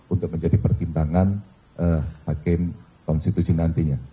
untuk menjadi pertimbangan hakim konstitusi nantinya